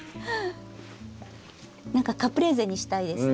何かカプレーゼにしたいですね。